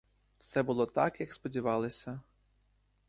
Все було так, як сподівалися.